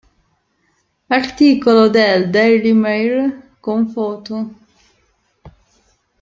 Articolo del Daily Mail con foto